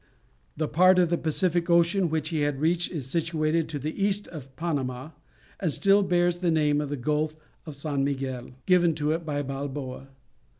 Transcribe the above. The part of the Pacific Ocean which he had reached is situated to the east of Panama, and still bears the name of the Gulf of San Miguel, given to it by Balboa.